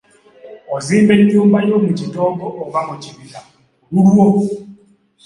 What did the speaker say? Ozimba ennyumba yo mu kitoogo oba mu kibira ku lulwo.